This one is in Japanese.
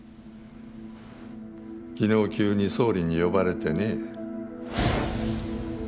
昨日急に総理に呼ばれてね。